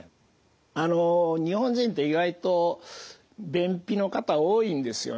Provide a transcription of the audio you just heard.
あの日本人って意外と便秘の方多いんですよね。